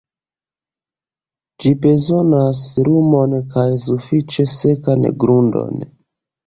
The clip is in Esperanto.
Ĝi bezonas lumon kaj sufiĉe sekan grundon.